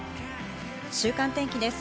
週間天気です。